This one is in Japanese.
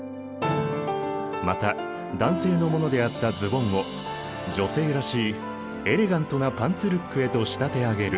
また男性のものであったズボンを女性らしいエレガントなパンツルックへと仕立て上げる。